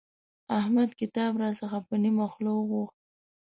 احمد کتاب راڅخه په نيمه خوله وغوښت.